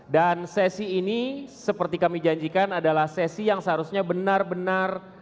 dan sesi ini seperti kami janjikan adalah sesi yang seharusnya benar benar